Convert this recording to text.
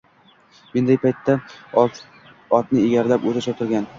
Menday paytida otni egarlab o‘zi choptirgan.